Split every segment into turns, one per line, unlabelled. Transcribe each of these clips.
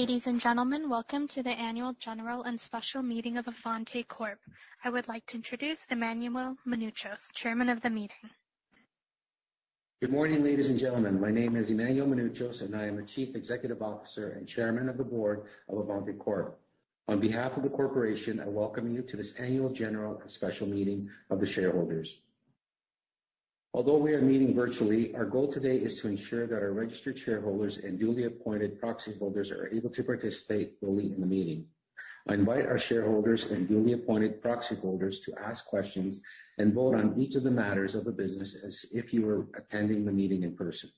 Ladies and gentlemen, welcome to the annual general and special meeting of Avante Corp. I would like to introduce Emmanuel Mounouchos, Chairman of the meeting.
Good morning, ladies and gentlemen. My name is Emmanuel Mounouchos, and I am the Chief Executive Officer and Chairman of the Board of Avante Corp. On behalf of the corporation, I welcome you to this annual general and special meeting of the shareholders. Although we are meeting virtually, our goal today is to ensure that our registered shareholders and duly appointed proxy holders are able to participate fully in the meeting. I invite our shareholders and duly appointed proxy holders to ask questions and vote on each of the matters of the business as if you were attending the meeting in person.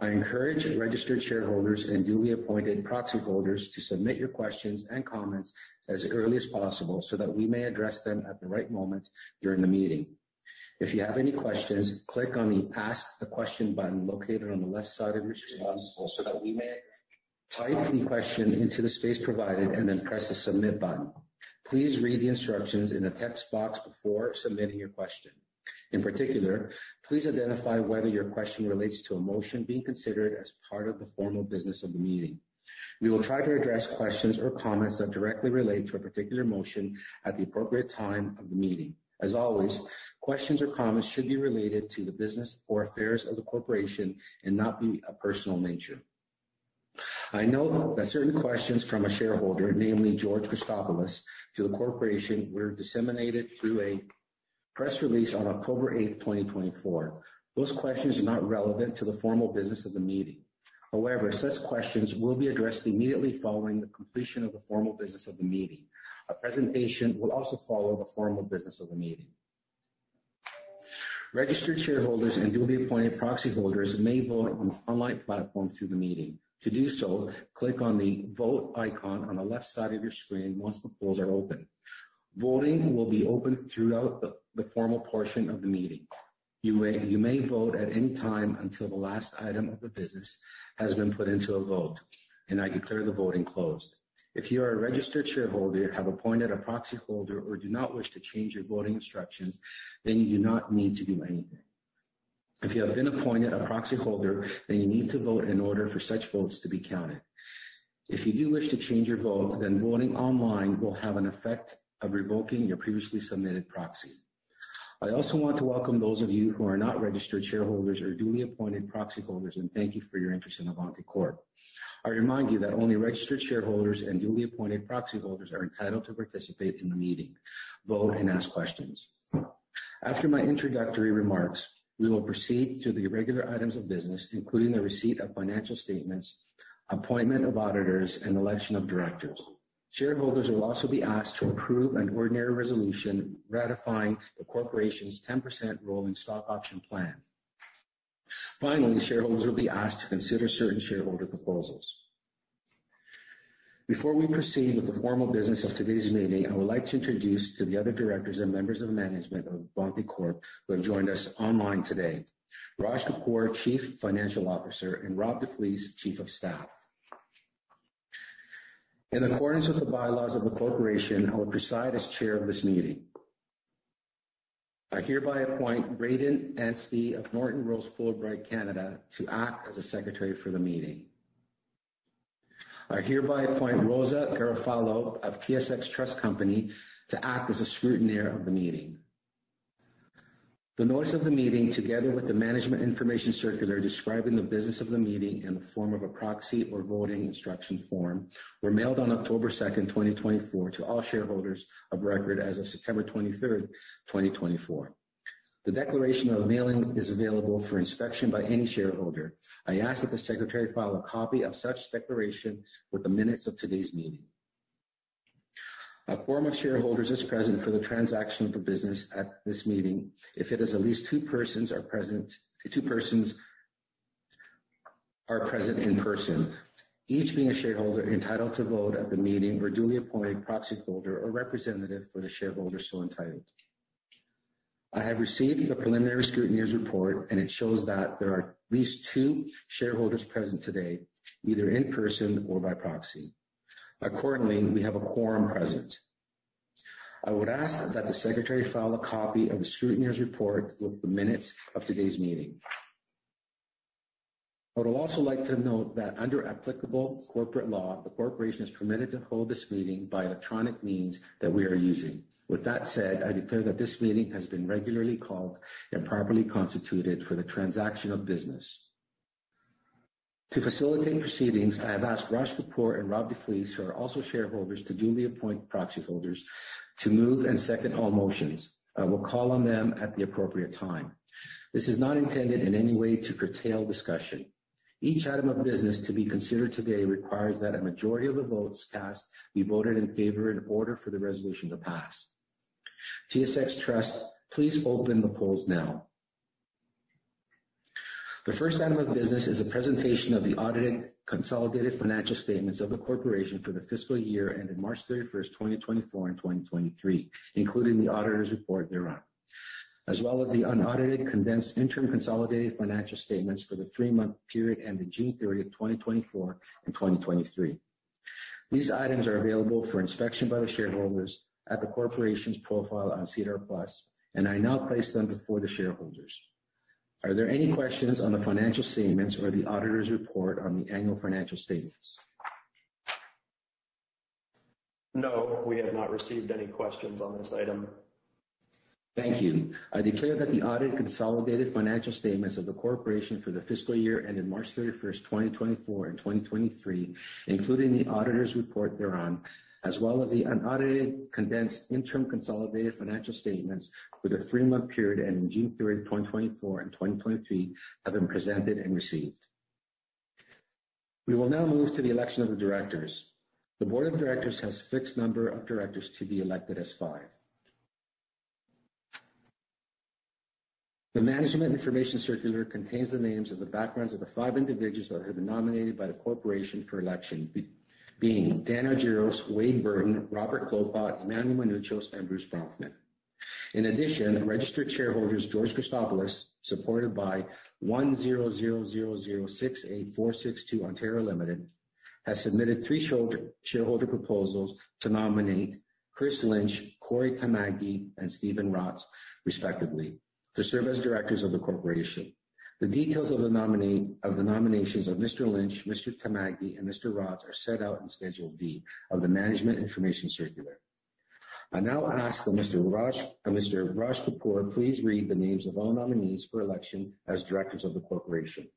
I encourage registered shareholders and duly appointed proxy holders to submit your questions and comments as early as possible so that we may address them at the right moment during the meeting. If you have any questions, click on the Ask the Question button located on the left side of your screen. Type the question into the space provided, and then press the Submit button. Please read the instructions in the text box before submitting your question. In particular, please identify whether your question relates to a motion being considered as part of the formal business of the meeting. We will try to address questions or comments that directly relate to a particular motion at the appropriate time of the meeting. As always, questions or comments should be related to the business or affairs of the corporation and not be of a personal nature. I know that certain questions from a shareholder, namely George Christopoulos, to the corporation, were disseminated through a press release on October 8th, 2024. Those questions are not relevant to the formal business of the meeting. However, such questions will be addressed immediately following the completion of the formal business of the meeting. A presentation will also follow the formal business of the meeting. Registered shareholders and duly appointed proxy holders may vote on the online platform through the meeting. To do so, click on the Vote icon on the left side of your screen once the polls are open. Voting will be open throughout the formal portion of the meeting. You may vote at any time until the last item of the business has been put into a vote and I declare the voting closed. If you are a registered shareholder, have appointed a proxy holder or do not wish to change your voting instructions, then you do not need to do anything. If you have been appointed a proxy holder, then you need to vote in order for such votes to be counted. If you do wish to change your vote, then voting online will have an effect of revoking your previously submitted proxy. I also want to welcome those of you who are not registered shareholders or duly appointed proxy holders, and thank you for your interest in Avante Corp. I remind you that only registered shareholders and duly appointed proxy holders are entitled to participate in the meeting, vote, and ask questions. After my introductory remarks, we will proceed to the regular items of business, including the receipt of financial statements, appointment of auditors, and election of directors. Shareholders will also be asked to approve an ordinary resolution ratifying the corporation's 10% rolling stock option plan. Finally, shareholders will be asked to consider certain shareholder proposals. Before we proceed with the formal business of today's meeting, I would like to introduce the other directors and members of management of Avante Corp. Who have joined us online today, Raj Kapoor, Chief Financial Officer, and Rob DeFelice, Chief of Staff. In accordance with the bylaws of the corporation, I will preside as Chair of this meeting. I hereby appoint [Brayden Anstey] of Norton Rose Fulbright Canada to act as the Secretary for the meeting. I hereby appoint Rosa Garofalo of TSX Trust Company to act as a scrutineer of the meeting. The notice of the meeting, together with the Management Information Circular describing the business of the meeting in the form of a Proxy or Voting Instruction Form, were mailed on October 2nd, 2024 to all shareholders of record as of September 23rd, 2024. The declaration of mailing is available for inspection by any shareholder. I ask that the Secretary file a copy of such declaration with the minutes of today's meeting. A quorum of shareholders is present for the transaction of the business at this meeting if there are at least two persons present in person, each being a shareholder entitled to vote at the meeting or duly appointed proxy holder or representative for the shareholder so entitled. I have received the preliminary scrutineer's report, and it shows that there are at least two shareholders present today, either in person or by proxy. Accordingly, we have a quorum present. I would ask that the secretary file a copy of the scrutineer's report with the minutes of today's meeting. I would also like to note that under applicable corporate law, the corporation is permitted to hold this meeting by electronic means that we are using. With that said, I declare that this meeting has been regularly called and properly constituted for the transaction of business. To facilitate proceedings, I have asked Raj Kapoor and Rob DeFelice, who are also shareholders, to duly appoint proxy holders to move and second all motions. I will call on them at the appropriate time. This is not intended in any way to curtail discussion. Each item of business to be considered today requires that a majority of the votes cast be voted in favor in order for the resolution to pass. TSX Trust, please open the polls now. The first item of business is a presentation of the audited consolidated financial statements of the corporation for the fiscal year ended March 31st, 2024 and 2023, including the auditor's report thereon, as well as the unaudited, condensed interim consolidated financial statements for the three-month period ended June 30th, 2024 and 2023. These items are available for inspection by the shareholders at the corporation's profile on SEDAR+, and I now place them before the shareholders. Are there any questions on the financial statements or the auditor's report on the annual financial statements?
No, we have not received any questions on this item.
Thank you. I declare that the audited consolidated financial statements of the corporation for the fiscal year ended March 31st, 2024 and 2023, including the auditor's report thereon, as well as the unaudited condensed interim consolidated financial statements for the three-month period ending June 3rd, 2024 and 2023, have been presented and received. We will now move to the election of the directors. The board of directors has a fixed number of directors to be elected as five. The management information circular contains the names and the backgrounds of the five individuals that have been nominated by the corporation for election, being Daniel Argiros, Wade Burton, Robert Klopot, Emmanuel Mounouchos, and Bruce Bronfman. In addition, registered shareholder George Christopoulos, supported by 1000068462 Ontario Limited, has submitted three shareholder proposals to nominate Chris Lynch, Cory Tamagi, and Stephen Rotz, respectively, to serve as directors of the corporation. The details of the nominations of Mr. Lynch, Mr. Tamagi, and Mr. Rotz are set out in Schedule D of the management information circular. I now ask that Mr. Raj Kapoor please read the names of all nominees for election as directors of the corporation.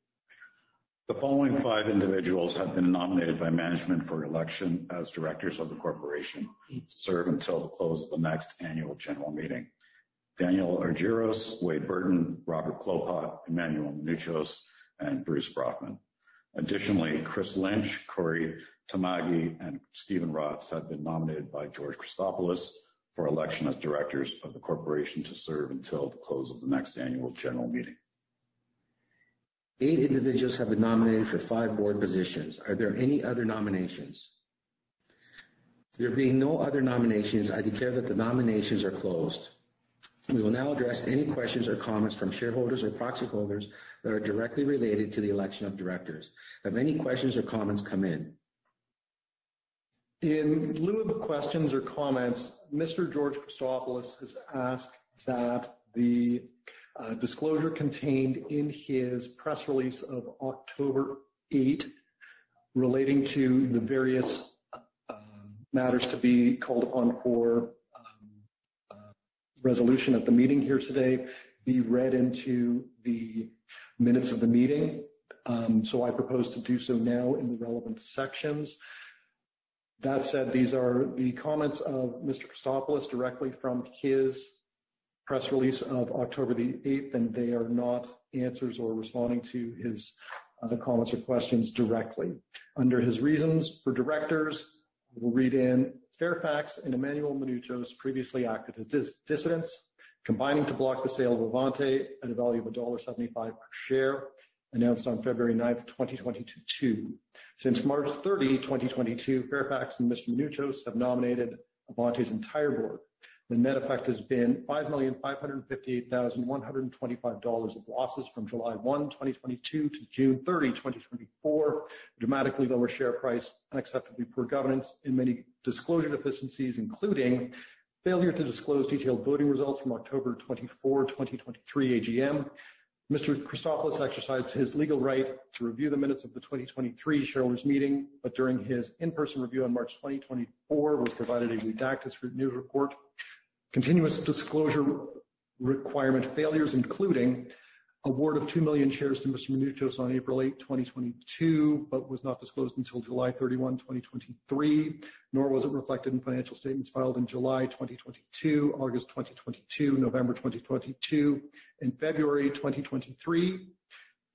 The following five individuals have been nominated by management for election as directors of the corporation to serve until the close of the next annual general meeting: Daniel Argiros, Wade Burton, Robert Klopot, Emmanuel Mounouchos, and Bruce Bronfman. Additionally, Chris Lynch, Cory Tamagi, and Stephen Rotz have been nominated by George Christopoulos for election as directors of the corporation to serve until the close of the next annual general meeting.
Eight individuals have been nominated for five board positions. Are there any other nominations? There being no other nominations, I declare that the nominations are closed. We will now address any questions or comments from shareholders or proxy holders that are directly related to the election of directors. Have any questions or comments come in?
In lieu of questions or comments, Mr. George Christopoulos has asked that the disclosure contained in his press release of October 8 relating to the various matters to be called upon for resolution at the meeting here today be read into the minutes of the meeting. I propose to do so now in the relevant sections. That said, these are the comments of Mr. Christopoulos directly from his press release of October 8, and they are not answers or responding to his other comments or questions directly. Under his reasons for directors, I will read in. "Fairfax and Emmanuel Mounouchos previously acted as dissidents, combining to block the sale of Avante at a value of dollar 1.75 per share announced on February 9th, 2022. Since March 30, 2022, Fairfax and Mr. Mounouchos have nominated Avante's entire board. The net effect has been 5,558,125 dollars of losses from July 1, 2022 to June 30, 2024. Dramatically lower share price, unacceptably poor governance, and many disclosure deficiencies, including failure to disclose detailed voting results from October 24, 2023 AGM. Mr. Christopoulos exercised his legal right to review the minutes of the 2023 shareholders' meeting, but during his in-person review on March 2024, was provided a redacted news report. Continuous disclosure requirement failures, including award of two million shares to Mr. Mounouchos on April 8, 2022, but was not disclosed until July 31, 2023, nor was it reflected in financial statements filed in July 2022, August 2022, November 2022, and February 2023.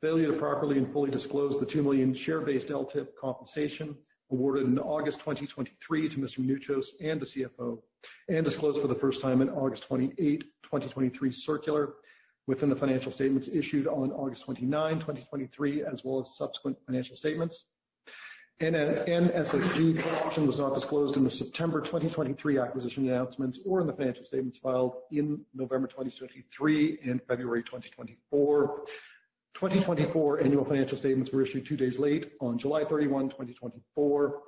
Failure to properly and fully disclose the 2 million share-based LTIP compensation awarded in August 2023 to Mr. Mounouchos and the CFO, and disclosed for the first time in August 28, 2023 circular within the financial statements issued on August 29, 2023, as well as subsequent financial statements. NSSG option was not disclosed in the September 2023 acquisition announcements or in the financial statements filed in November 2023 and February 2024. 2024 annual financial statements were issued 2 days late on July 31, 2024,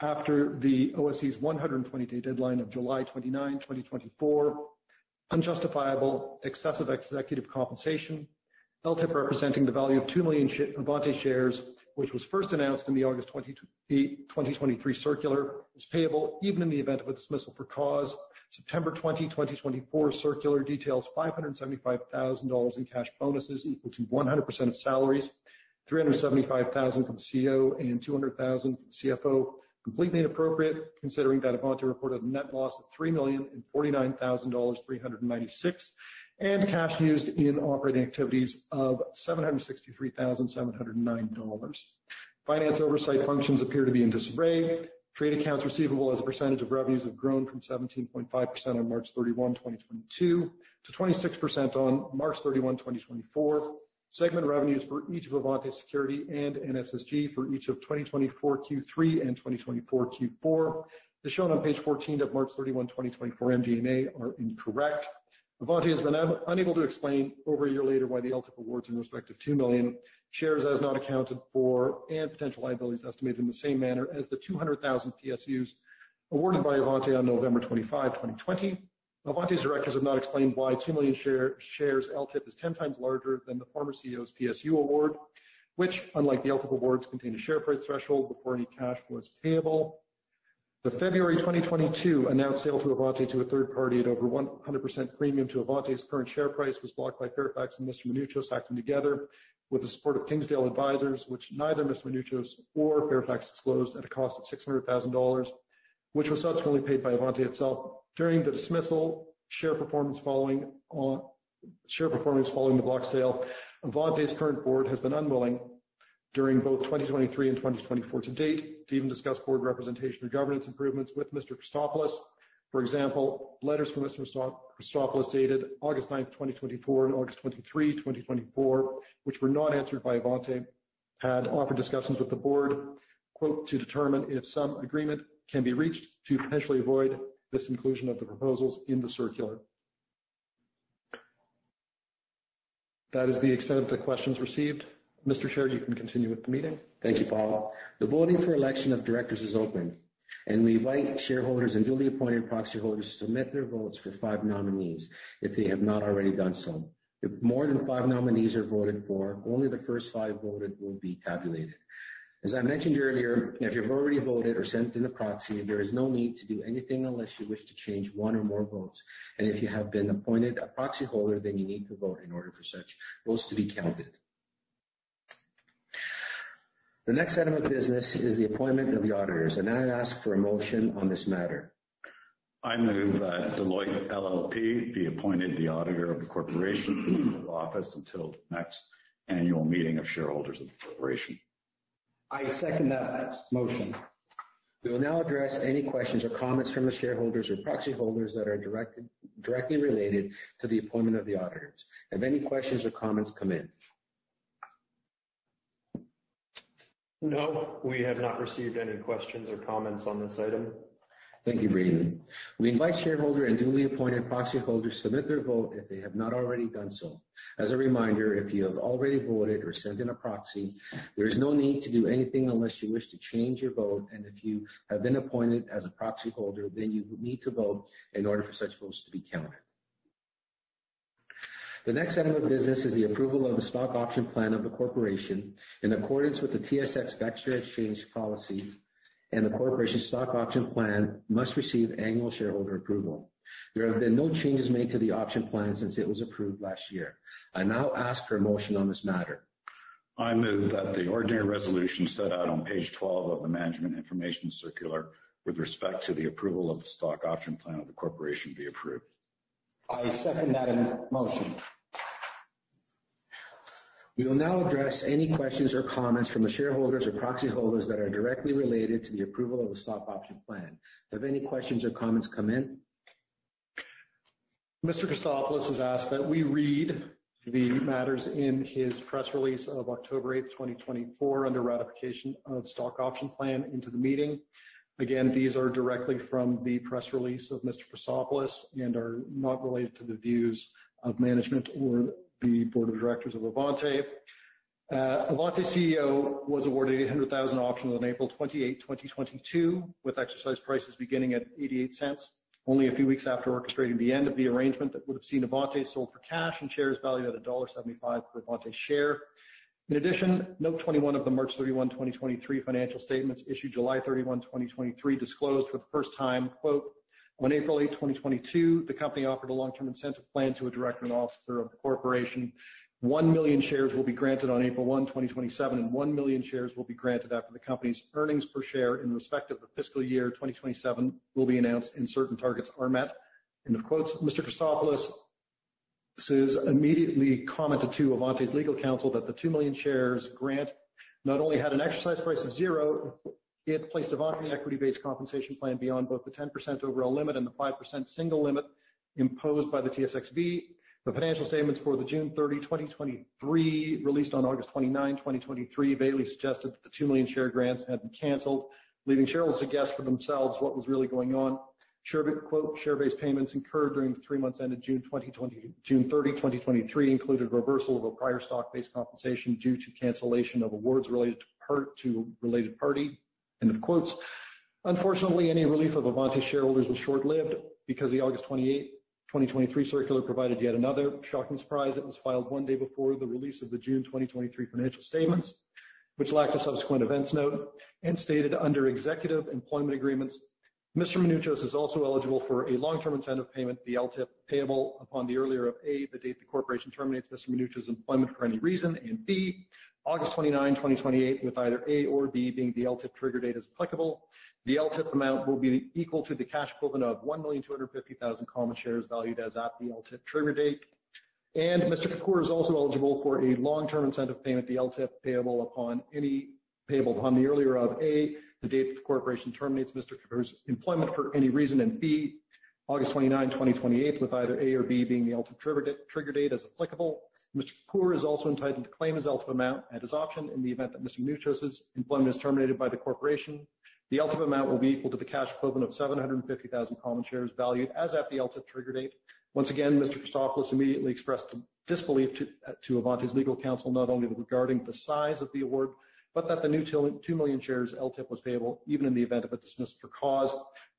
after the OSC's 120-day deadline of July 29, 2024. Unjustifiable excessive executive compensation. LTIP representing the value of two million Avante shares, which was first announced in the August 20, 2023 circular, is payable even in the event of a dismissal for cause. September 20, 2024 circular details CAD 575,000 in cash bonuses, equal to 100% of salaries, CAD 375,000 for the CEO and CAD 200,000 for the CFO, completely inappropriate considering that Avante reported a net loss of CAD 3,049,396 and cash used in operating activities of CAD 763,709. Finance oversight functions appear to be in disarray. Trade accounts receivable as a percentage of revenues have grown from 17.5% on March 31, 2022, to 26% on March 31, 2024. Segment revenues for each of Avante Security and NSSG for each of 2024 Q3 and 2024 Q4, as shown on page 14 of March 31, 2024 MD&A are incorrect. Avante has been unable to explain over a year later why the LTIP awards in respect of 2 million shares have not accounted for and potential liabilities estimated in the same manner as the 200,000 PSUs awarded by Avante on November 25, 2020. Avante's directors have not explained why two million shares LTIP is 10 times larger than the former CEO's PSU award, which, unlike the LTIP awards, contained a share price threshold before any cash was payable. The February 2022 announced sale of Avante to a third party at over 100% premium to Avante's current share price was blocked by Fairfax and Mr. Mounouchos acting together with the support of Kingsdale Advisors, which neither Mr. Mounouchos or Fairfax disclosed at a cost of 600,000 dollars, which was subsequently paid by Avante itself. Regarding the dismal share performance following the block sale, Avante's current board has been unwilling during both 2023 and 2024 to date to even discuss board representation or governance improvements with Mr. Christopoulos. For example, letters from Mr. Christopoulos dated August 9, 2024, and August 23, 2024, which were not answered by Avante, had offered discussions with the board "to determine if some agreement can be reached to potentially avoid this inclusion of the proposals in the circular." That is the extent of the questions received. Mr. Chair, you can continue with the meeting.
Thank you, Paul. The voting for election of directors is open, and we invite shareholders and duly appointed proxy holders to submit their votes for five nominees if they have not already done so. If more than five nominees are voted for, only the first five voted will be tabulated. As I mentioned earlier, if you've already voted or sent in a proxy, there is no need to do anything unless you wish to change one or more votes. If you have been appointed a proxy holder, then you need to vote in order for such votes to be counted. The next item of business is the appointment of the auditors, and now I'd ask for a motion on this matter.
I move that Deloitte LLP be appointed the auditor of the corporation to hold office until the next annual meeting of shareholders of the corporation.
I second that motion. We will now address any questions or comments from the shareholders or proxy holders that are directly related to the appointment of the auditors. Have any questions or comments come in?
No, we have not received any questions or comments on this item.
Thank you, Brayden. We invite shareholders and duly appointed proxy holders to submit their vote if they have not already done so. As a reminder, if you have already voted or sent in a proxy, there is no need to do anything unless you wish to change your vote. If you have been appointed as a proxy holder, then you need to vote in order for such votes to be counted. The next item of business is the approval of the stock option plan of the corporation. In accordance with the TSX Venture Exchange policy, the corporation's stock option plan must receive annual shareholder approval. There have been no changes made to the option plan since it was approved last year. I now ask for a motion on this matter.
I move that the ordinary resolution set out on page 12 of the management information circular with respect to the approval of the stock option plan of the corporation be approved.
I second that motion. We will now address any questions or comments from the shareholders or proxy holders that are directly related to the approval of the stock option plan. Have any questions or comments come in?
Mr. Christopoulos has asked that we read the matters in his press release of October eighth, 2024, under ratification of stock option plan into the meeting. Again, these are directly from the press release of Mr. Christopoulos and are not related to the views of management or the board of directors of Avante. Avante's CEO was awarded 800,000 options on April 28, 2022, with exercise prices beginning at 0.88, only a few weeks after orchestrating the end of the arrangement that would have seen Avante sold for cash and shares valued at CAD 1.75 per Avante share. In addition, Note 21 of the March 31, 2023, financial statements issued July 31, 2023, disclosed for the first time, on April 8, 2022, the company offered a long-term incentive plan to a director and officer of the corporation. One million shares will be granted on April 1, 2027, and one million shares will be granted after the company's earnings per share in respect of the fiscal year 2027 will be announced and certain targets are met. Mr. Christopoulos immediately commented to Avante's legal counsel that the two million shares grant not only had an exercise price of zero, it placed Avante equity-based compensation plan beyond both the 10% overall limit and the 5% single limit imposed by the TSXV. The financial statements for the June 30, 2023, released on August 29, 2023, vaguely suggested that the 2 million share grants had been canceled, leaving shareholders to guess for themselves what was really going on. Share-based payments incurred during the three months ended June 30, 2023, included reversal of a prior stock-based compensation due to cancellation of awards related to related party." Unfortunately, any relief of Avante shareholders was short-lived because the August 28, 2023, circular provided yet another shocking surprise. It was filed one day before the release of the June 2023 financial statements, which lacked a subsequent events note and stated under executive employment agreements, Mr. Mounouchos is also eligible for a long-term incentive payment, the LTIP, payable upon the earlier of A, the date the corporation terminates Mr. Mounouchos' employment for any reason, and B, August 29, 2028, with either A or B being the LTIP trigger date as applicable. The LTIP amount will be equal to the cash equivalent of 1,250,000 common shares valued as at the LTIP trigger date. Mr. Kapoor is also eligible for a long-term incentive payment, the LTIP, payable upon the earlier of A, the date that the corporation terminates Mr. Kapoor's employment for any reason, and B, August 29, 2028, with either A or B being the LTIP trigger date as applicable. Mr. Kapoor is also entitled to claim his LTIP amount at his option in the event that Mr. Mounouchos' employment is terminated by the corporation. The LTIP amount will be equal to the cash equivalent of 750,000 common shares valued as at the LTIP trigger date. Once again, Mr. Christopoulos immediately expressed disbelief to Avante's legal counsel, not only regarding the size of the award, but that the new 2 million shares LTIP was payable even in the event of a dismissal for cause.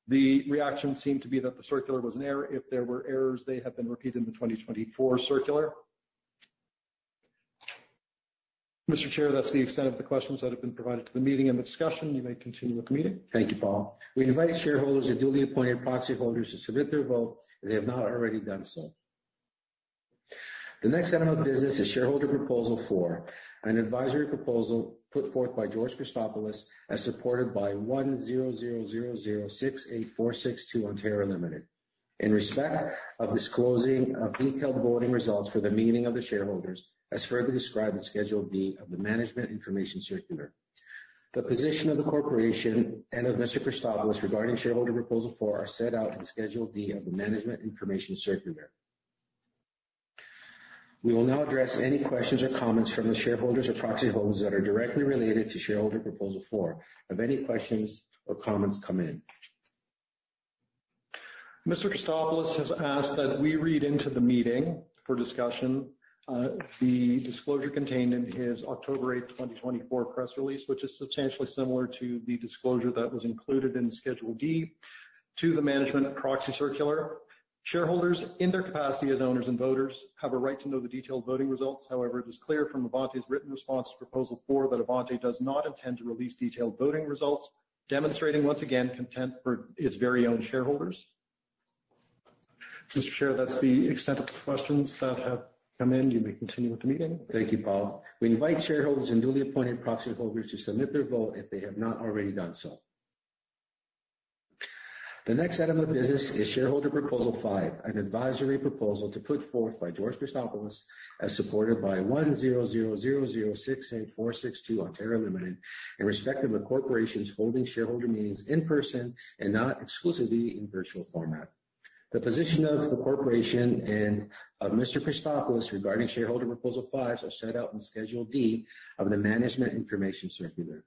The reaction seemed to be that the circular was an error. If there were errors, they have been repeated in the 2024 circular. Mr. Chair, that's the extent of the questions that have been provided to the meeting and the discussion. You may continue with the meeting.
Thank you, Paul. We invite shareholders and duly appointed proxy holders to submit their vote if they have not already done so. The next item of business is shareholder proposal four, an advisory proposal put forth by George Christopoulos as supported by 1000068462 Ontario Limited, in respect of disclosing of detailed voting results for the meeting of the shareholders, as further described in Schedule D of the management information circular. The position of the corporation and of Mr. Christopoulos regarding shareholder proposal four are set out in Schedule D of the management information circular. We will now address any questions or comments from the shareholders or proxy holders that are directly related to shareholder proposal four. Have any questions or comments come in?
Mr. Christopoulos has asked that we read into the meeting for discussion the disclosure contained in his October 8th, 2024 press release, which is substantially similar to the disclosure that was included in Schedule D to the management proxy circular. Shareholders, in their capacity as owners and voters, have a right to know the detailed voting results. However, it is clear from Avante's written response to proposal four that Avante does not intend to release detailed voting results, demonstrating, once again, contempt for its very own shareholders. Mr. Chair, that's the extent of the questions that have come in. You may continue with the meeting.
Thank you, Paul. We invite shareholders and newly appointed proxy holders to submit their vote if they have not already done so. The next item of business is shareholder proposal five, an advisory proposal put forth by George Christopoulos as supported by 1000068462 Ontario Limited in respect of the corporation's holding shareholder meetings in person and not exclusively in virtual format. The position of the corporation and of Mr. Christopoulos regarding shareholder proposal five are set out in Schedule D of the management information circular.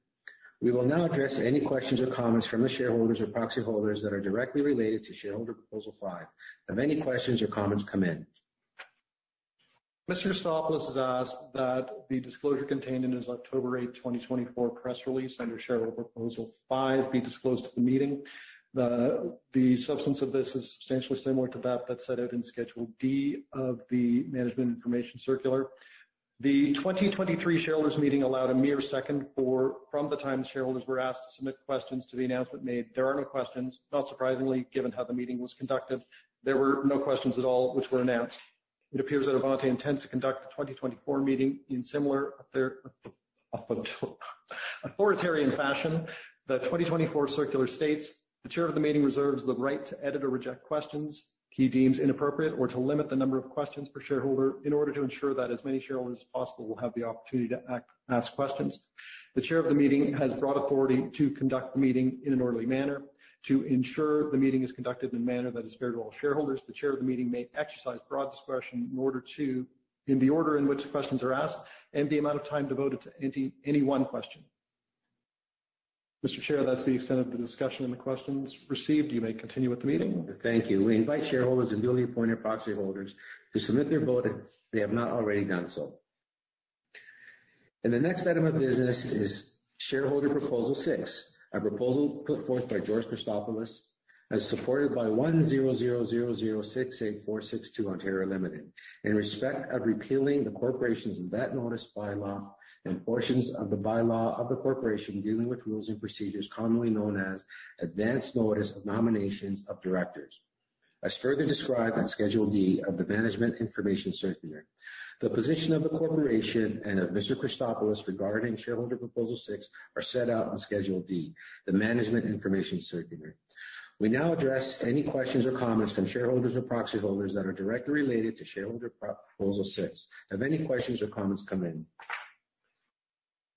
We will now address any questions or comments from the shareholders or proxy holders that are directly related to shareholder proposal five. Have any questions or comments come in?
Mr. Christopoulos has asked that the disclosure contained in his October 8, 2024 press release under shareholder proposal five be disclosed at the meeting. The substance of this is substantially similar to that that's set out in Schedule D of the management information circular. The 2023 shareholders' meeting allowed a mere second from the time shareholders were asked to submit questions to the announcement made. There are no questions, not surprisingly, given how the meeting was conducted. There were no questions at all which were announced. It appears that Avante intends to conduct the 2024 meeting in similar authoritarian fashion. The 2024 circular states, "The chair of the meeting reserves the right to edit or reject questions he deems inappropriate or to limit the number of questions per shareholder in order to ensure that as many shareholders as possible will have the opportunity to ask questions. The chair of the meeting has broad authority to conduct the meeting in an orderly manner. To ensure the meeting is conducted in a manner that is fair to all shareholders, the chair of the meeting may exercise broad discretion in the order in which questions are asked and the amount of time devoted to any one question. Mr. Chair, that's the extent of the discussion and the questions received. You may continue with the meeting.
Thank you. We invite shareholders and duly appointed proxy holders to submit their vote if they have not already done so. The next item of business is shareholder proposal six, a proposal put forth by George Christopoulos as supported by 1000068462 Ontario Limited. In respect of repealing the corporation's advance notice bylaw and portions of the bylaw of the corporation dealing with rules and procedures commonly known as advance notice of nominations of directors. As further described in Schedule D of the management information circular. The position of the corporation and of Mr. Christopoulos regarding shareholder proposal six are set out on Schedule D, the management information circular. We now address any questions or comments from shareholders or proxy holders that are directly related to shareholder proposal six. Have any questions or comments come in?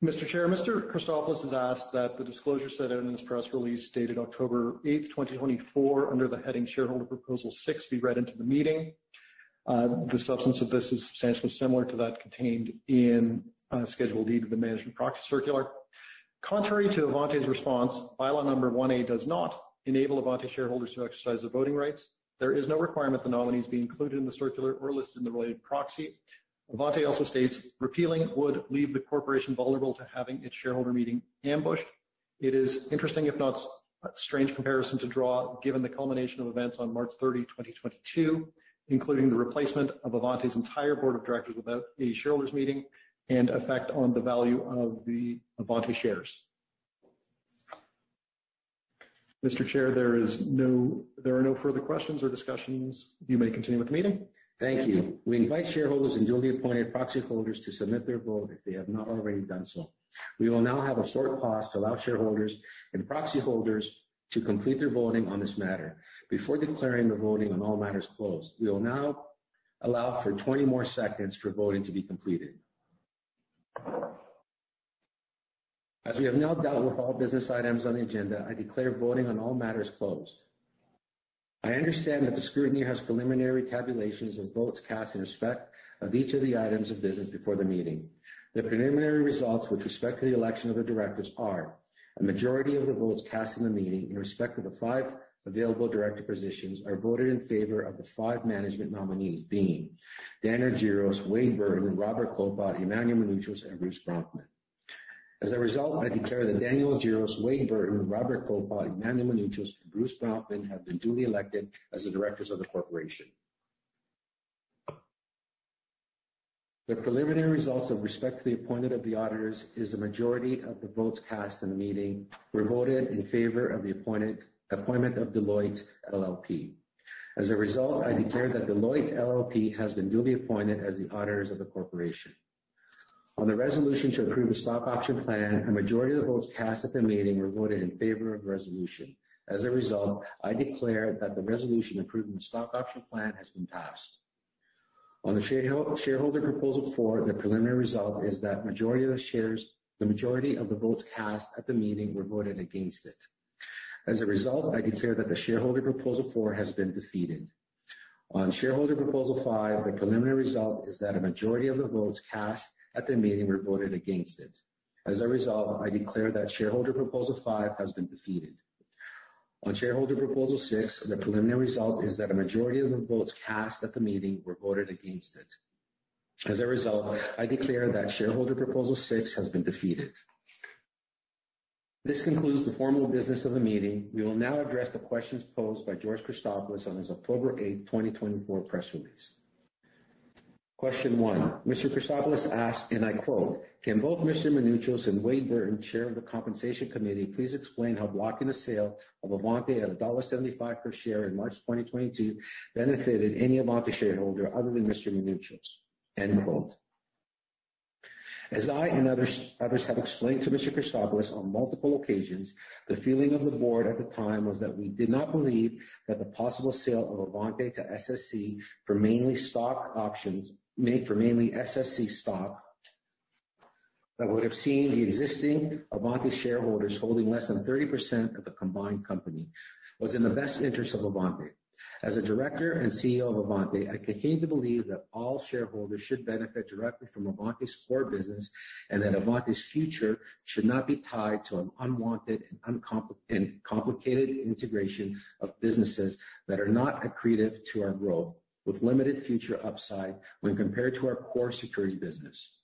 Mr. Chair, Mr. Christopoulos has asked that the disclosure set out in this press release dated October 8th, 2024, under the heading Shareholder Proposal 6, be read into the meeting. The substance of this is substantially similar to that contained in Schedule D to the Management Proxy Circular. Contrary to Avante's response, Bylaw Number 1A does not enable Avante shareholders to exercise the voting rights. There is no requirement the nominees be included in the circular or listed in the related proxy. Avante also states repealing would leave the corporation vulnerable to having its shareholder meeting ambushed. It is interesting, if not strange comparison to draw, given the culmination of events on March 30, 2022, including the replacement of Avante's entire board of directors without a shareholders meeting and effect on the value of the Avante shares. Mr. Chair, there are no further questions or discussions. You may continue with the meeting.
Thank you. We invite shareholders and duly appointed proxy holders to submit their vote if they have not already done so. We will now have a short pause to allow shareholders and proxy holders to complete their voting on this matter. Before declaring the voting on all matters closed, we will now allow for 20 more seconds for voting to be completed. As we have now dealt with all business items on the agenda, I declare voting on all matters closed. I understand that the scrutiny has preliminary tabulations of votes cast in respect of each of the items of business before the meeting. The preliminary results with respect to the election of the directors are that a majority of the votes cast in the meeting, in respect of the five available director positions, are voted in favor of the five management nominees being Dan Argiros, Wade Burton, Rob Klopot, Emmanuel Mounouchos, and Bruce Bronfman. As a result, I declare that Dan Argiros, Wade Burton, Rob Klopot, Emmanuel Mounouchos, and Bruce Bronfman have been duly elected as the directors of the corporation. The preliminary results with respect to the appointment of the auditors is that the majority of the votes cast in the meeting were voted in favor of the appointment of Deloitte LLP. As a result, I declare that Deloitte LLP has been duly appointed as the auditors of the corporation. On the resolution to approve the stock option plan, a majority of the votes cast at the meeting were voted in favor of the resolution. As a result, I declare that the resolution approving the stock option plan has been passed. On the shareholder proposal four, the preliminary result is that the majority of the votes cast at the meeting were voted against it. As a result, I declare that shareholder proposal four has been defeated. On shareholder proposal five, the preliminary result is that a majority of the votes cast at the meeting were voted against it. As a result, I declare that shareholder proposal five has been defeated. On shareholder proposal six, the preliminary result is that a majority of the votes cast at the meeting were voted against it. As a result, I declare that shareholder proposal six has been defeated. This concludes the formal business of the meeting. We will now address the questions posed by George Christopoulos on his October 8th, 2024 press release. Question one, Mr. Christopoulos asked, and I quote, "Can both Mr. Mounouchos and Wade Burton, Chair of the Compensation Committee, please explain how blocking the sale of Avante at dollar 1.75 per share in March 2022 benefited any Avante shareholder other than Mr. Mounouchos?" End quote. As I and others have explained to Mr. Christopoulos on multiple occasions, the feeling of the board at the time was that we did not believe that the possible sale of Avante to SSC made for mainly SSC stock, that would have seen the existing Avante shareholders holding less than 30% of the combined company, was in the best interest of Avante. As a director and CEO of Avante, I continue to believe that all shareholders should benefit directly from Avante's core business, and that Avante's future should not be tied to an unwanted and complicated integration of businesses that are not accretive to our growth, with limited future upside when compared to our core security business.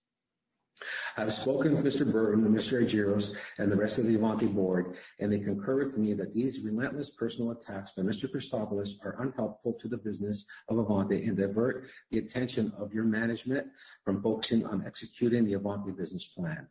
I've spoken with Mr. Burton and Mr. Argiros and the rest of the Avante board, and they concur with me that these relentless personal attacks by Mr. Christopoulos are unhelpful to the business of Avante and divert the attention of your management from focusing on executing the Avante business plan.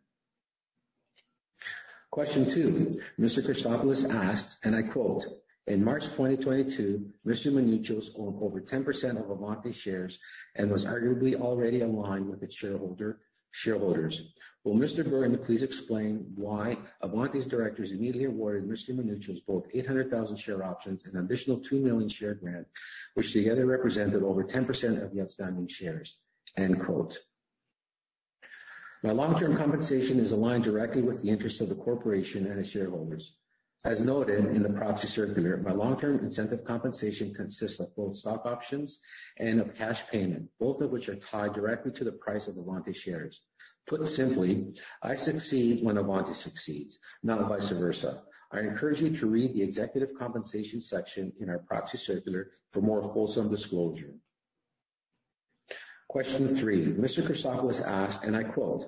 Question two, Mr. Christopoulos asked, and I quote, "In March 2022, Mr. Mounouchos owned over 10% of Avante shares and was arguably already aligned with its shareholders. Will Mr. Burton please explain why Avante's directors immediately awarded Mr. Mounouchos both 800,000 share options and an additional 2 million share grant, which together represented over 10% of the outstanding shares?" End quote. My long-term compensation is aligned directly with the interest of the corporation and its shareholders. As noted in the proxy circular, my long-term incentive compensation consists of both stock options and a cash payment, both of which are tied directly to the price of Avante shares. Put simply, I succeed when Avante succeeds, not vice versa. I encourage you to read the executive compensation section in our proxy circular for more fulsome disclosure. Question three, Mr. Christopoulos asked, and I quote,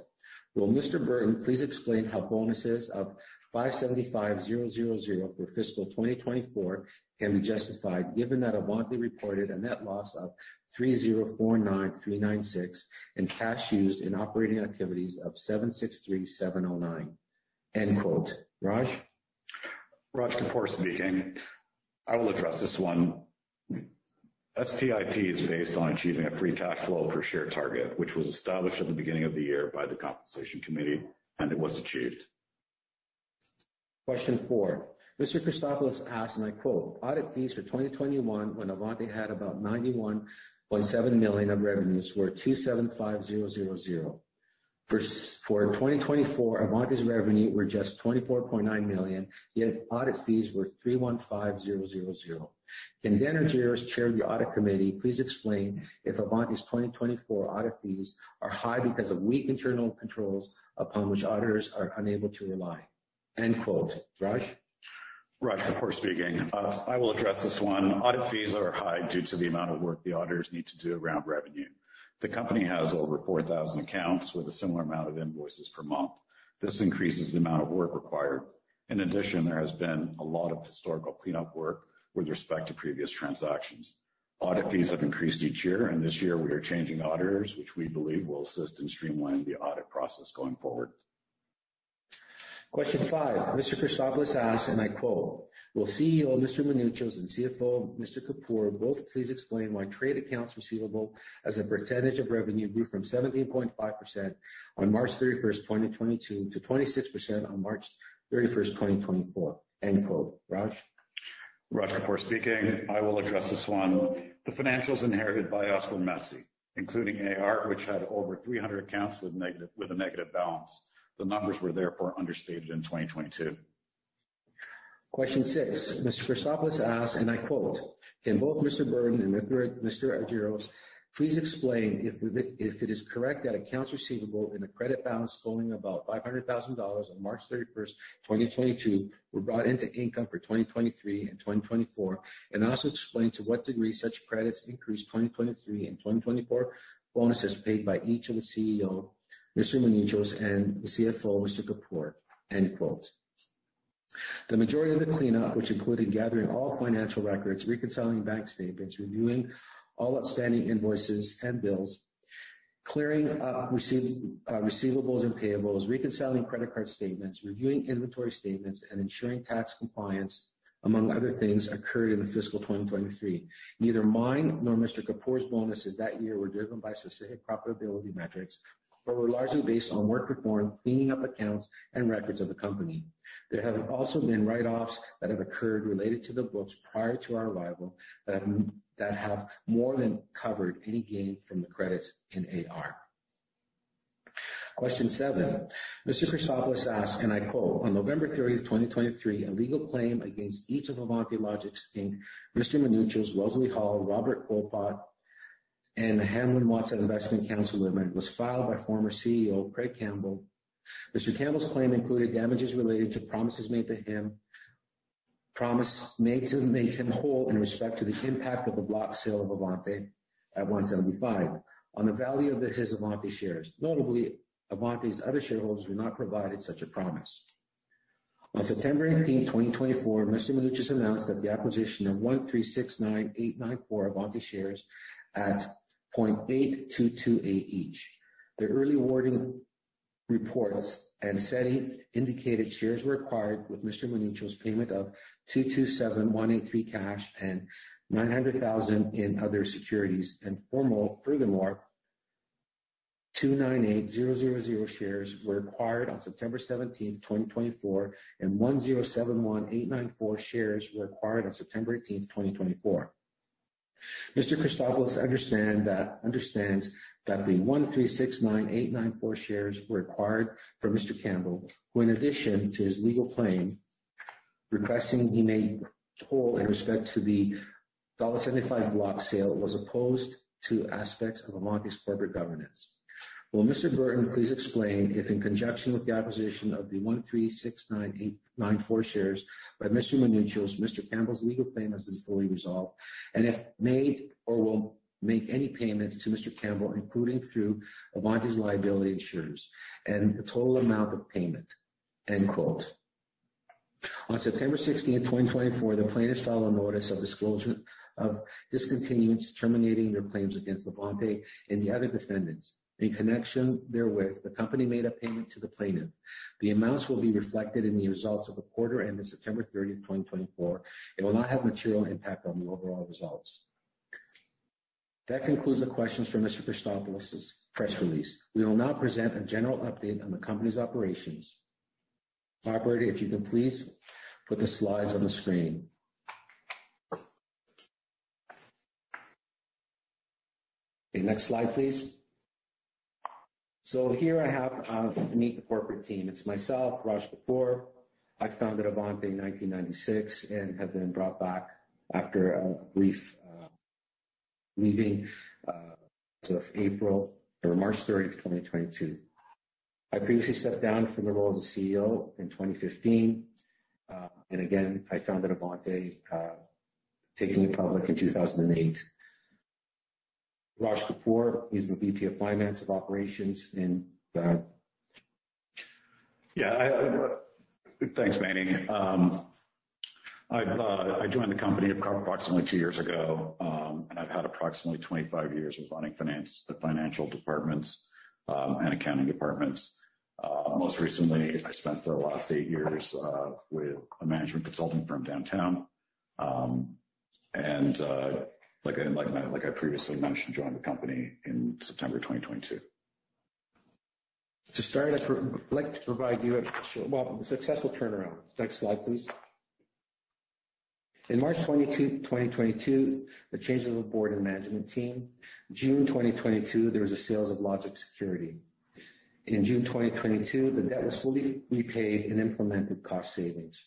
"Will Mr. Burton please explain how bonuses of 575,000 for fiscal 2024 can be justified given that Avante reported a net loss of 3,049,396 and cash used in operating activities of 7,637,090?" End quote. Raj?
Raj Kapoor speaking. I will address this one. STIP is based on achieving a free cash flow per share target, which was established at the beginning of the year by the compensation committee, and it was achieved.
Question four. Mr. Christopoulos asked, and I quote, "Audit fees for 2021, when Avante had about 91.7 million of revenues, were 2,750,000. For 2024, Avante's revenue were just 24.9 million, yet audit fees were 3,150,000. Can Daniel Argiros, Chair of the Audit Committee, please explain if Avante's 2024 audit fees are high because of weak internal controls upon which auditors are unable to rely?" End quote. Raj?
Raj Kapoor speaking. I will address this one. Audit fees are high due to the amount of work the auditors need to do around revenue. The company has over 4,000 accounts with a similar amount of invoices per month. This increases the amount of work required. In addition, there has been a lot of historical cleanup work with respect to previous transactions. Audit fees have increased each year, and this year we are changing auditors, which we believe will assist and streamline the audit process going forward.
Question five. Mr. Christopoulos asked, and I quote, "Will CEO Mr. Mounouchos and CFO Mr. Kapoor both please explain why trade accounts receivable as a percentage of revenue grew from 17.5% on March 31st, 2022, to 26% on March 31st, 2024?" End quote. Raj?
I will address this one. The financials inherited by us were messy, including AR, which had over 300 accounts with a negative balance. The numbers were therefore understated in 2022.
Question six. Mr. Christopoulos asks, and I quote, "Can both Mr. Burton and Mr. Argiros please explain if it is correct that accounts receivable in a credit balance totaling about 500,000 dollars on March 31st, 2022, were brought into income for 2023 and 2024, and also explain to what degree such credits increased 2023 and 2024 bonuses paid by each of the CEO, Mr. Mounouchos, and the CFO, Mr. Kapoor?" End quote. The majority of the cleanup, which included gathering all financial records, reconciling bank statements, reviewing all outstanding invoices and bills, clearing up receivables and payables, reconciling credit card statements, reviewing inventory statements, and ensuring tax compliance, among other things, occurred in the fiscal 2023. Neither mine nor Mr. Kapoor's bonuses that year were driven by specific profitability metrics, but were largely based on work performed cleaning up accounts and records of the company. There have also been write-offs that have occurred related to the books prior to our arrival that have more than covered any gain from the credits in AR. Question seven. Mr. Christopoulos asks, and I quote, "On November 30th, 2023, a legal claim against each of Avante Logixx Inc., Mr. Mounouchos, Wes Hall, Robert Klopot, and the Hamblin Watsa Investment Counsel member was filed by former CEO Craig Campbell. Mr. Campbell's claim included damages related to promises made to him to make him whole in respect to the impact of the block sale of Avante at 1.75 on the value of his Avante shares. Notably, Avante's other shareholders were not provided such a promise. On September 18th, 2024, Mr. Mounouchos announced the acquisition of 136,989,400 Avante shares at 0.8228 each. The early warning reports and SEDI indicated shares were acquired with Mr. Mounouchos payment of 227,183 cash and 900,000 in other securities. Furthermore, 298,000 shares were acquired on September 17th, 2024, and 107,189,400 shares were acquired on September 18th, 2024. Mr. Christopoulos understands that the 136,989,400 shares were acquired from Mr. Campbell, who in addition to his legal claim, requesting he made whole in respect to the dollar 1.75 block sale, was opposed to aspects of Avante's corporate governance. Will Mr. Burton please explain if, in conjunction with the acquisition of the 136,989,400 shares by Mr. Mounouchos, Mr. Campbell's legal claim has been fully resolved, and if made or will make any payment to Mr. Campbell, including through Avante's liability insurers, and the total amount of payment. End quote. On September 16th, 2024, the plaintiffs filed a notice of discontinuance, terminating their claims against Avante and the other defendants. In connection therewith, the company made a payment to the plaintiff. The amounts will be reflected in the results of the quarter ending September 30th, 2024. It will not have a material impact on the overall results. That concludes the questions from Mr. Christopoulos's press release. We will now present a general update on the company's operations. Operator, if you can please put the slides on the screen. Okay. Next slide, please. So here I have meet the corporate team. It's myself, Raj Kapoor. I founded Avante in 1996 and have been brought back after a brief leaving as of April or March 30th, 2022. I previously stepped down from the role as CEO in 2015. And again, I founded Avante, taking it public in 2008. Raj Kapoor, he's the VP of finance and operations and the-
Yeah. Thanks, Emmanuel. I joined the company approximately two years ago. I've had approximately 25 years of running finance, the financial departments, and accounting departments. Most recently, I spent the last eight years with a management consulting firm downtown. Like I previously mentioned, I joined the company in September 2022.
To start, I'd like to provide you with a successful turnaround. Next slide, please. In March 22nd, 2022, the change of the board and management team. June 2022, there was a sale of Logixx Security. In June 2022, the debt was fully repaid and implemented cost savings.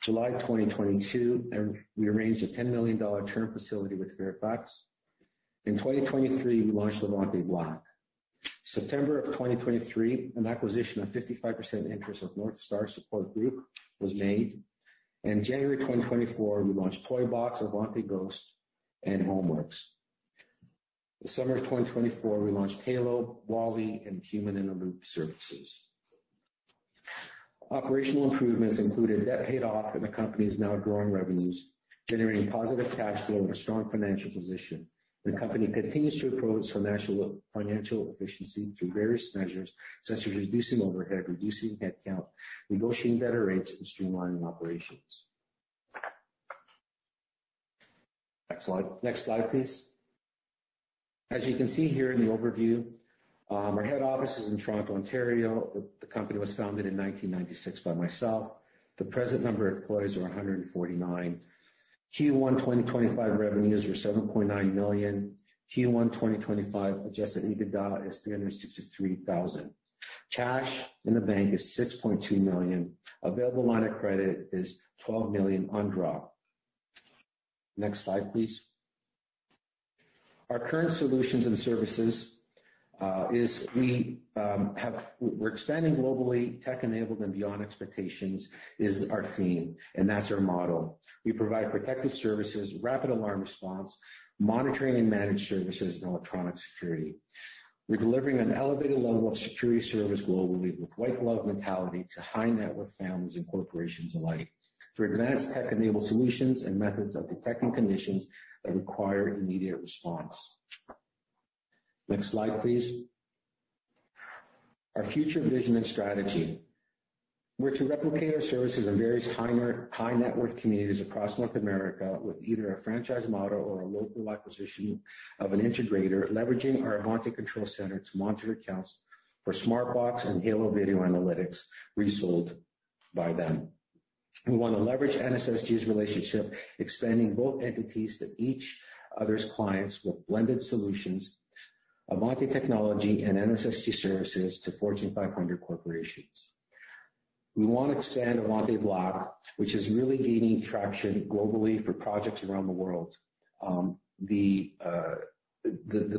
July 2022, we arranged a 10 million dollar term facility with Fairfax. In 2023, we launched Avante Black. September of 2023, an acquisition of 55% interest of Northstar Support Group was made. In January 2024, we launched Toybox, Avante Ghost, and Avante Homeworxx. The summer of 2024, we launched Halo, Wally, and Human-in-the-Loop services. Operational improvements included debt paid off, and the company is now growing revenues, generating positive cash flow and a strong financial position. The company continues to approach financial efficiency through various measures, such as reducing overhead, reducing headcount, negotiating better rates, and streamlining operations. Next slide, please. As you can see here in the overview, our head office is in Toronto, Ontario. The company was founded in 1996 by myself. The present number of employees are 149. Q1 2025 revenues were 7.9 million. Q1 2025 adjusted EBITDA is 363,000 dollars. Cash in the bank is 6.2 million. Available line of credit is 12 million undrawn. Next slide, please. Our current solutions and services is we're expanding globally. Tech-enabled and beyond expectations is our theme, and that's our model. We provide protected services, rapid alarm response, monitoring and managed services, and electronic security. We're delivering an elevated level of security service globally with white glove mentality to high-net-worth families and corporations alike for advanced tech-enabled solutions and methods of detecting conditions that require immediate response. Next slide, please. Our future vision and strategy. We're to replicate our services in various high-net-worth communities across North America with either a franchise model or a local acquisition of an integrator leveraging our Avante control center to monitor accounts for SmartBox and Halo video analytics resold by them. We want to leverage NSSG's relationship, expanding both entities to each other's clients with blended solutions, Avante technology, and NSSG services to Fortune 500 corporations. We want to expand Avante Logixx, which is really gaining traction globally for projects around the world. The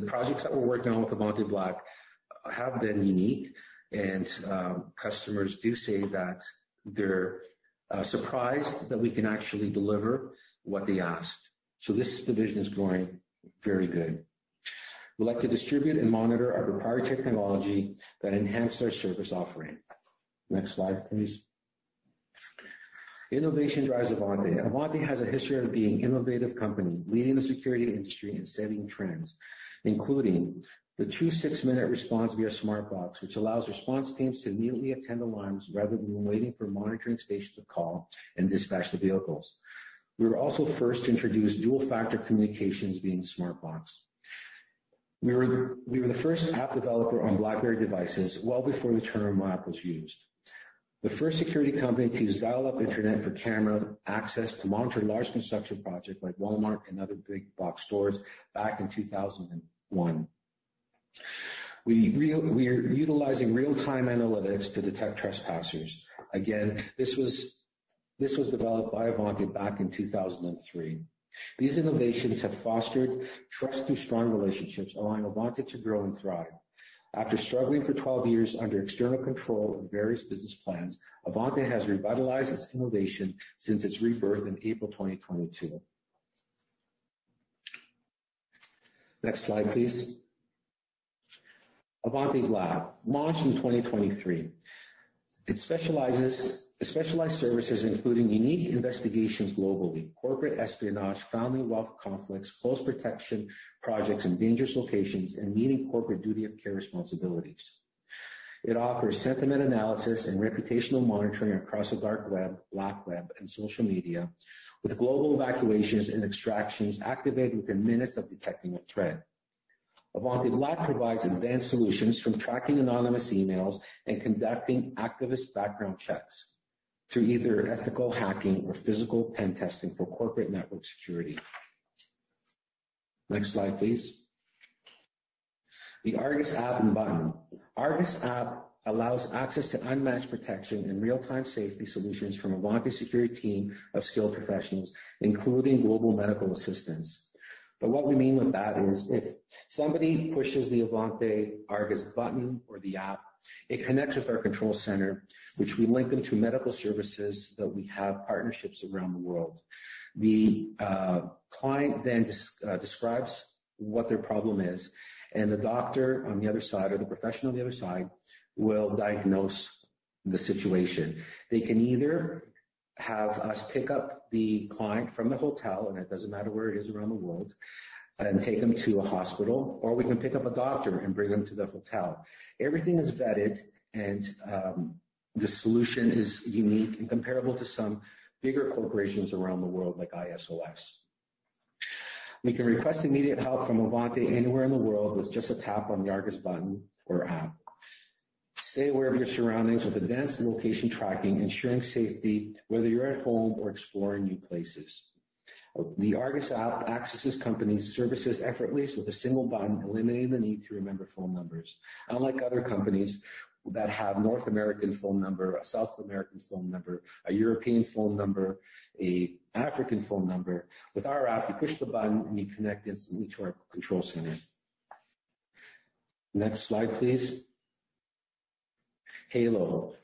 projects that we're working on with Avante Logixx have been unique and customers do say that they're surprised that we can actually deliver what they asked. This division is growing very good. We'd like to distribute and monitor our proprietary technology that enhance our service offering. Next slide, please. Innovation drives Avante, and Avante has a history of being innovative company, leading the security industry and setting trends, including the true six-minute response via SmartBox, which allows response teams to immediately attend alarms rather than waiting for monitoring station to call and dispatch the vehicles. We were also first to introduce dual factor communications via SmartBox. We were the first app developer on BlackBerry devices well before the term app was used. The first security company to use dial-up internet for camera access to monitor large construction project like Walmart and other big box stores back in 2001. We are utilizing real-time analytics to detect trespassers. Again, this was developed by Avante back in 2003. These innovations have fostered trust through strong relationships, allowing Avante to grow and thrive. After struggling for 12 years under external control and various business plans, Avante has revitalized its innovation since its rebirth in April 2022. Next slide, please. Avante Logixx, launched in 2023. It specializes services including unique investigations globally, corporate espionage, family wealth conflicts, close protection projects in dangerous locations, and meeting corporate duty of care responsibilities. It offers sentiment analysis and reputational monitoring across the dark web, black web, and social media with global evacuations and extractions activated within minutes of detecting a threat. Avante Logixx provides advanced solutions from tracking anonymous emails and conducting activist background checks through either ethical hacking or physical pen testing for corporate network security. Next slide, please. The Avante Argus app and button. Avante Argus app allows access to unmatched protection and real-time safety solutions from Avante security team of skilled professionals, including global medical assistance. What we mean with that is if somebody pushes the Avante Argus button or the app, it connects with our control center, which we link them to medical services that we have partnerships around the world. The client then describes what their problem is, and the doctor on the other side, or the professional on the other side, will diagnose the situation. They can either have us pick up the client from the hotel, and it doesn't matter where it is around the world, and take them to a hospital, or we can pick up a doctor and bring them to the hotel. Everything is vetted and the solution is unique and comparable to some bigger corporations around the world like ISOS. We can request immediate help from Avante anywhere in the world with just a tap on the Argus button or app. Stay aware of your surroundings with advanced location tracking, ensuring safety whether you're at home or exploring new places. The Argus app accesses company services effortlessly with a single button, eliminating the need to remember phone numbers. Unlike other companies that have North American phone number, a South American phone number, a European phone number, an African phone number. With our app, you push the button and you connect instantly to our control center. Next slide, please. Halo.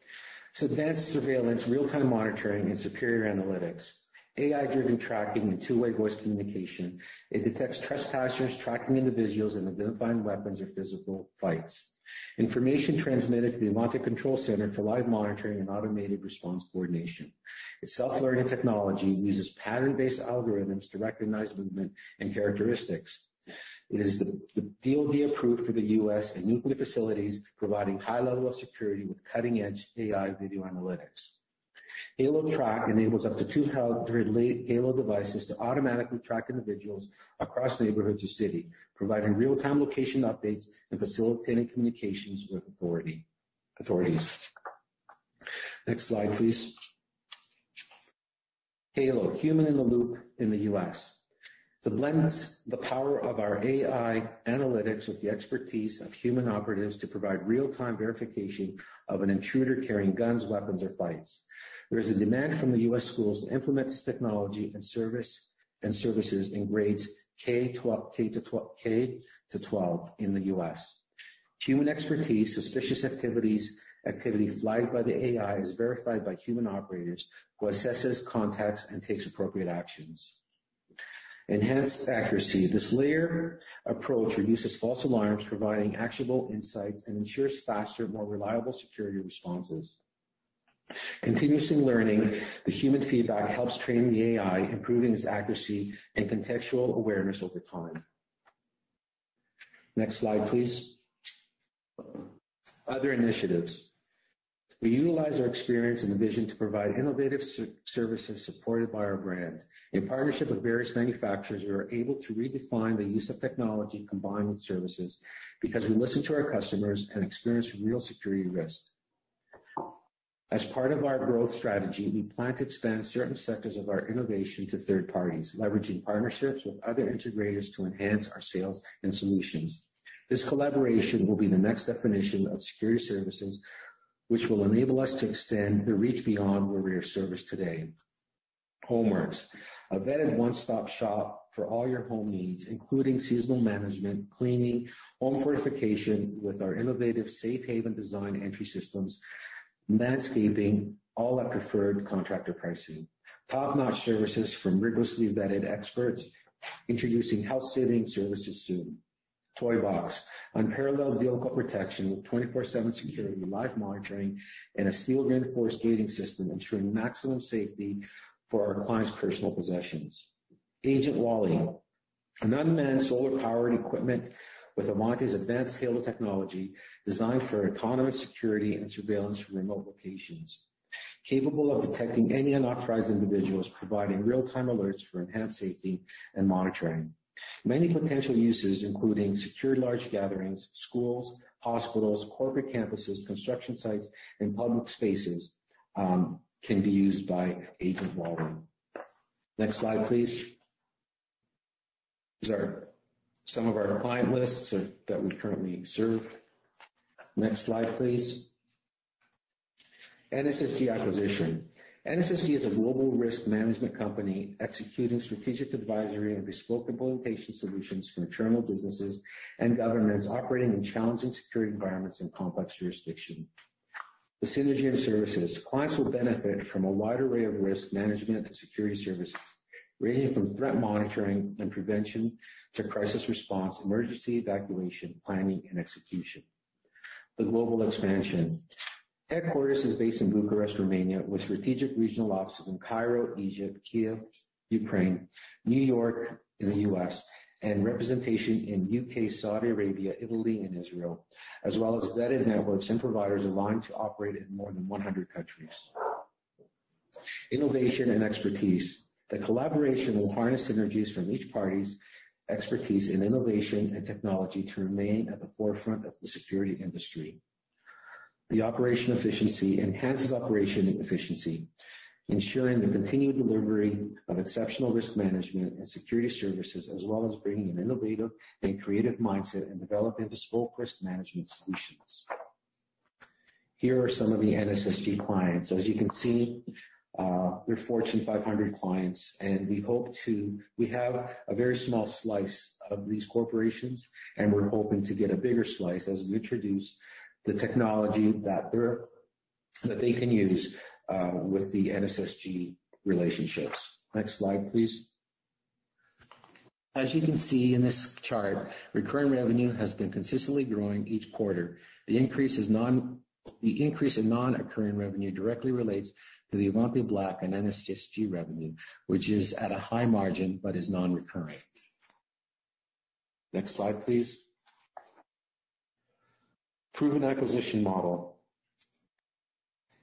It's advanced surveillance, real-time monitoring, and superior analytics, AI-driven tracking and two-way voice communication. It detects trespassers, tracking individuals, and identifying weapons or physical fights. Information transmitted to the Avante control center for live monitoring and automated response coordination. Its self-learning technology uses pattern-based algorithms to recognize movement and characteristics. It is DoD approved for the U.S. and nuclear facilities, providing high level of security with cutting-edge AI video analytics. Halo-Track enables up to 200 Halo devices to automatically track individuals across neighborhoods or city, providing real-time location updates and facilitating communications with authorities. Next slide, please. Halo. Human-in-the-Loop in the U.S. To blend the power of our AI analytics with the expertise of human operatives to provide real-time verification of an intruder carrying guns, weapons, or fights. There is a demand from the U.S. schools to implement this technology and services in grades K to 12 in the U.S. Human expertise, suspicious activity flagged by the AI is verified by human operators who assesses contacts and takes appropriate actions. Enhanced accuracy. This layer approach reduces false alarms, providing actionable insights, and ensures faster, more reliable security responses. Continuously learning. The human feedback helps train the AI, improving its accuracy and contextual awareness over time. Next slide, please. Other initiatives. We utilize our experience and the vision to provide innovative services supported by our brand. In partnership with various manufacturers, we are able to redefine the use of technology combined with services because we listen to our customers and experience real security risk. As part of our growth strategy, we plan to expand certain sectors of our innovation to third parties, leveraging partnerships with other integrators to enhance our sales and solutions. This collaboration will be the next definition of security services, which will enable us to extend the reach beyond where we are serviced today. Homeworxx. A vetted one-stop shop for all your home needs, including seasonal management, cleaning, home fortification with our innovative safe haven design entry systems, landscaping, all at preferred contractor pricing. Top-notch services from rigorously vetted experts. Introducing house sitting services soon. Toybox. Unparalleled vehicle protection with 24/7 security, live monitoring, and a steel-reinforced gating system ensuring maximum safety for our clients' personal possessions. Wally. An unmanned solar-powered equipment with Avante's advanced Halo technology designed for autonomous security and surveillance from remote locations. Capable of detecting any unauthorized individuals, providing real-time alerts for enhanced safety and monitoring. Many potential uses, including securing large gatherings, schools, hospitals, corporate campuses, construction sites, and public spaces can be used by Wally. Next slide, please. These are some of our client lists that we currently serve. Next slide, please. NSSG acquisition. NSSG is a global risk management company executing strategic advisory and bespoke implementation solutions for international businesses and governments operating in challenging security environments and complex jurisdictions. The synergy of services. Clients will benefit from a wide array of risk management and security services, ranging from threat monitoring and prevention to crisis response, emergency evacuation, planning and execution. The global expansion. Headquarters is based in Bucharest, Romania, with strategic regional offices in Cairo, Egypt, Kyiv, Ukraine, New York in the U.S., and representation in U.K., Saudi Arabia, Italy, and Israel, as well as vetted networks and providers aligned to operate in more than 100 countries. Innovation and expertise. The collaboration will harness synergies from each party's expertise in innovation and technology to remain at the forefront of the security industry. The operational efficiency enhances operational efficiency, ensuring the continued delivery of exceptional risk management and security services, as well as bringing an innovative and creative mindset and developing bespoke risk management solutions. Here are some of the NSSG clients. As you can see, they're Fortune 500 clients, and we have a very small slice of these corporations, and we're hoping to get a bigger slice as we introduce the technology that they can use with the NSSG relationships. Next slide, please. As you can see in this chart, recurring revenue has been consistently growing each quarter. The increase in non-recurring revenue directly relates to the Avante Black and NSSG revenue, which is at a high margin but is non-recurring. Next slide, please. Proven acquisition model.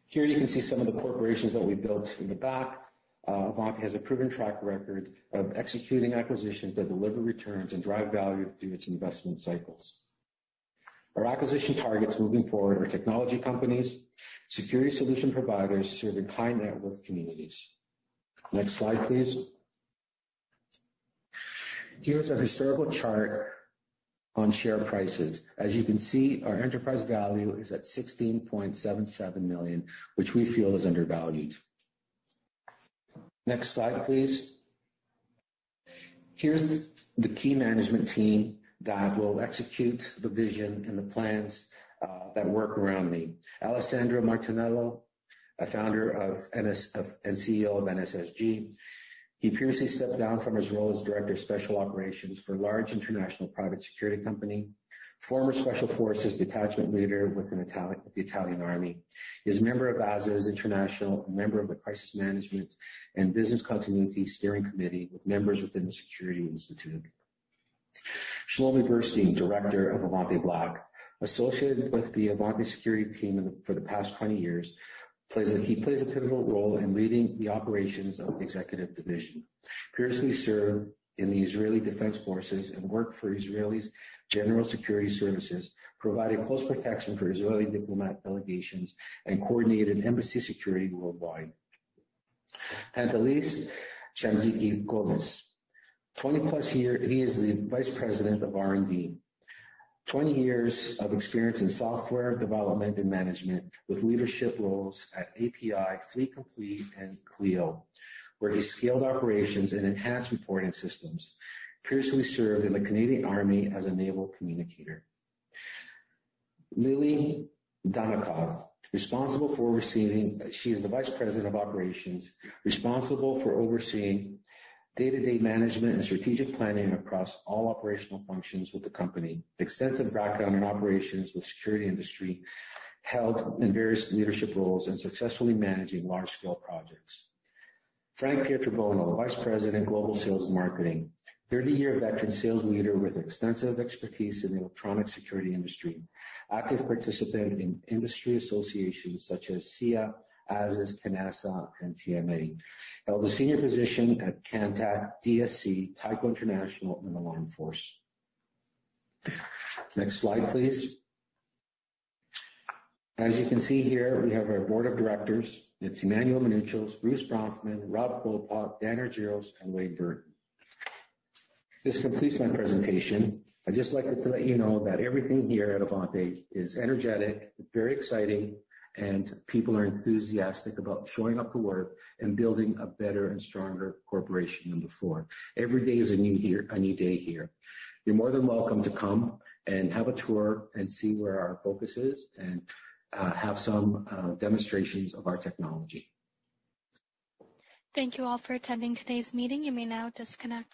Here you can see some of the corporations that we built from the back. Avante has a proven track record of executing acquisitions that deliver returns and drive value through its investment cycles. Our acquisition targets moving forward are technology companies, security solution providers serving high-net-worth communities. Next slide, please. Here's a historical chart on share prices. As you can see, our enterprise value is at 16.77 million, which we feel is undervalued. Next slide, please. Here's the key management team that will execute the vision and the plans that work around me. Alessandro Martello, a founder and CEO of NSSG Global. He previously stepped down from his role as Director of Special Operations for a large international private security company, former Special Forces detachment leader with the Italian Army. He's a member of ASIS International, a member of the Crisis Management and Business Continuity Steering Committee, with members within The Security Institute. Shlomi Burstein, Director of Avante Black. Associated with the Avante security team for the past 20 years. He plays a pivotal role in leading the operations of the executive division. Previously served in the Israel Defense Forces and worked for Israel's General Security Services, providing close protection for Israeli diplomat delegations and coordinated embassy security worldwide. Elise Chandseki Gomez. She is the Vice President of R&D. 20 years of experience in software development and management, with leadership roles at APi, Fleet Complete, and Clio, where she scaled operations and enhanced reporting systems. Previously served in the Canadian army as a naval communicator. Lily Danacoff, she is the Vice President of Operations, responsible for overseeing day-to-day management and strategic planning across all operational functions with the company. Extensive background in operations in the security industry, held various leadership roles and successfully managing large-scale projects. Frank Pietrobono, Vice President, Global Sales and Marketing. 30-year veteran sales leader with extensive expertise in the electronic security industry. Active participant in industry associations such as SIA, ASIS, CANASA, and TMA. Held a senior position at Kantech, DSC, Tyco International, and AlarmForce. Next slide, please. As you can see here, we have our board of directors. It's Emmanuel Mounouchos, Bruce Bronfman, Rob Klopot, Dan Argiros, and Wade Burton. This completes my presentation. I'd just like to let you know that everything here at Avante is energetic, very exciting, and people are enthusiastic about showing up to work and building a better and stronger corporation than before. Every day is a new day here. You're more than welcome to come and have a tour and see where our focus is and have some demonstrations of our technology.
Thank you all for attending today's meeting. You may now disconnect.